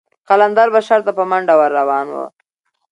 قلندر به شر ته په منډه ور روان و.